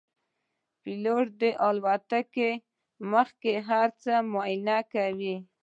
پیلوټ د الوتنې مخکې هر څه معاینه کوي.